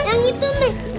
ini yang itu me